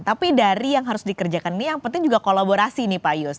tapi dari yang harus dikerjakan ini yang penting juga kolaborasi nih pak yus